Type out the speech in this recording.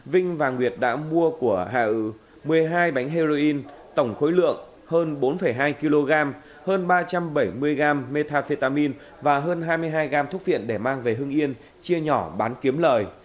vinh và nguyệt đã mua của hạ ưu một mươi hai bánh heroin tổng khối lượng hơn bốn hai kg hơn ba trăm bảy mươi gram metafetamin và hơn hai mươi hai gram thuốc viện để mang về hưng yên chia nhỏ bán kiếm lời